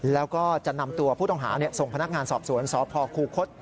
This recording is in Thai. แล้วก็จะนำตัวผู้ต้องหาส่งพนักงานสอบสวนสพคูคศ